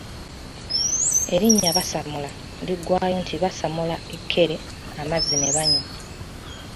Erinnya Basammula liggwaayo nti Basammula ekkere amazzi ne banywa